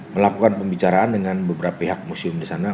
melakukan pembicaraan dengan beberapa pihak museum di sana